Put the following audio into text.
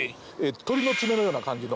鳥の爪のような感じの。